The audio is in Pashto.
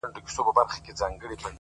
اخلاق د انسان اصلي شتمني ده!.